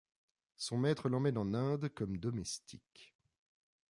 Son maître l'emmène en Inde comme domestique.